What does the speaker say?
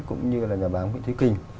cũng như là nhà báo nguyễn thúy kình